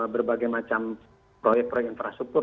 berbagai macam proyek proyek infrastruktur